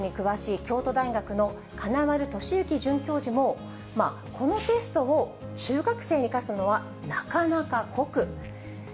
英語教育に詳しい京都大学の金丸敏幸准教授も、このテストを中学生に課すのは、なかなか酷。